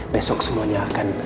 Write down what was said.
besok semuanya akan